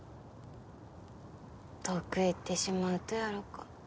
遠くへ行ってしまうとやろ。